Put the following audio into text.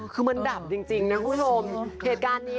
คือมันดับจริงนะคุณผู้ชม